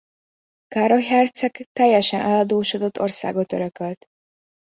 Károly herceg teljesen eladósodott országot örökölt.